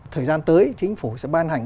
thời gian tới chính phủ sẽ ban hành